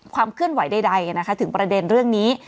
ความเคลื่อนไหวใดนะคะถึงประเด็นเรื่องนี้